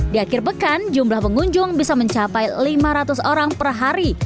di akhir pekan jumlah pengunjung bisa mencapai lima ratus orang per hari